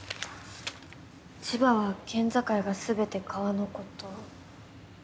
千葉は県境がすべて川の孤島。